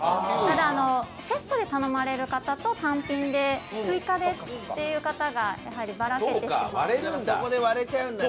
ただセットで頼まれる方と単品で追加でっていう方がやはりバラけてしまう。